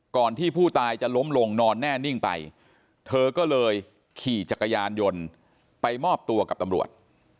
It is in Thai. ที่ผู้ตายจะล้มลงนอนแน่นิ่งไปเธอก็เลยขี่จักรยานยนต์ไปมอบตัวกับตำรวจ